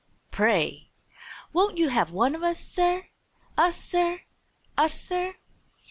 "Pray! Won't you have one o' us, Sir? Us, Sir? Us, Sir?